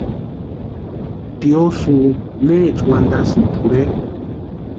¿Tiosïo neecha wantasïni pʼorhe?